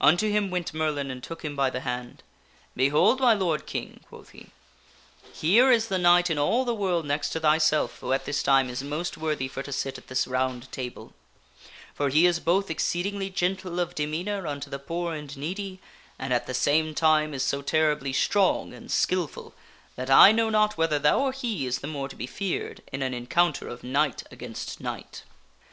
Unto him went Merlin and took him by the hand. " Behold, my lord King," quoth he. " Here is the Merlin chooseth ,.,.,,,,,, f , the knights kmght in all the world next to thyself who at this time is most Tabk R Und worth y for to sit at this R o un d Table. For he is both exceed ingly gentle of demeanor unto the poor and needy and at the same time is so terribly strong and skilful that I know not whether thou or he is the more to be feared in an encounter of knight against knight."